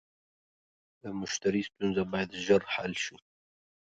د مشتری ستونزه باید ژر حل شي.